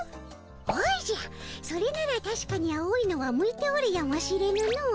おじゃそれならたしかに青いのは向いておるやもしれぬの。